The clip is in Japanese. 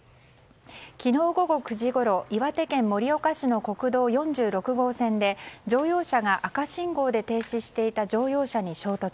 昨日午後９時ごろ岩手県盛岡市の国道４６号線で乗用車が赤信号で停止していた乗用車に衝突